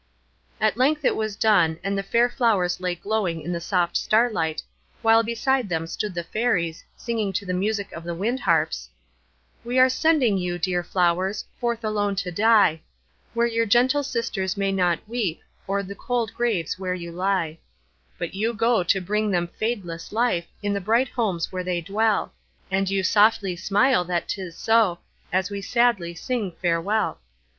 At length it was done; and the fair flowers lay glowing in the soft starlight, while beside them stood the Fairies, singing to the music of the wind harps:— We are sending you, dear flowers, Forth alone to die, Where your gentle sisters may not weep O'er the cold graves where you lie; But you go to bring them fadeless life In the bright homes where they dwell, And you softly smile that 't is so, As we sadly sing farewell.